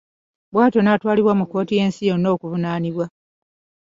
Bwatyo n'atwalibwa mu kkooti y'ensi yonna okuvunaanibwa.